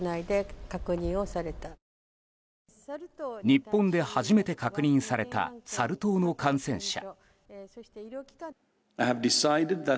日本で初めて確認されたサル痘の感染者。